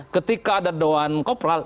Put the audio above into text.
ketika ada doaan kopral